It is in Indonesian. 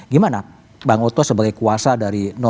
gimana bang otto sebagai kuasa dari dua